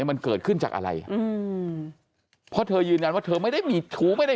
มันเกิดขึ้นจากอะไรอืมเพราะเธอยืนยันว่าเธอไม่ได้มีชู้ไม่ได้